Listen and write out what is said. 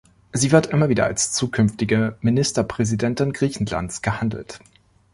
Sie wird immer wieder als zukünftige Ministerpräsidentin Griechenlands gehandelt.